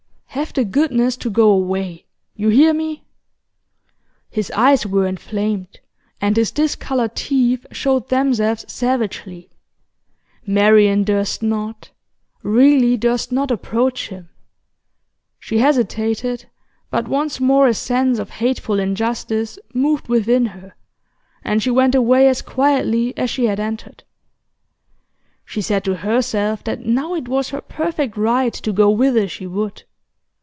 'Have the goodness to go away. You hear me?' His eyes were inflamed, and his discoloured teeth showed themselves savagely. Marian durst not, really durst not approach him. She hesitated, but once more a sense of hateful injustice moved within her, and she went away as quietly as she had entered. She said to herself that now it was her perfect right to go whither she would.